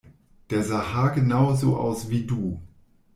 Der sah haargenau so aus wie du!